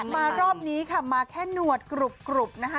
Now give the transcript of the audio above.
มารอบนี้ค่ะมาแค่หนวดกรุบนะคะ